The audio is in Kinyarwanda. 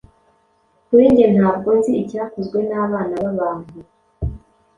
Kuri njye ntabwo nzi icyakozwe nabana babantu